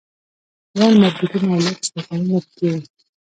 لوړ مارکېټونه او لوکس دوکانونه پکښې وو.